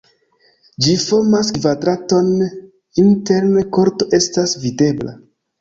Ĝi formas kvadraton, interne korto estas videbla.